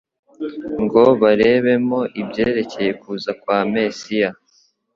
ngo barebemo ibyerekeye kuza kwa Mesiya.